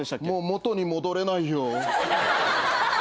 もう元に戻れないよ。